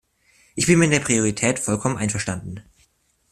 Ich bin mit der Priorität vollkommen einverstanden.